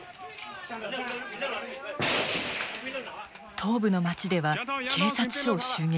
東部の町では警察署を襲撃。